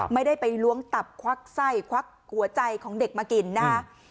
ไม่ได้ไปล้วงตับควักไส้ควักหัวใจของเด็กมากินนะคะ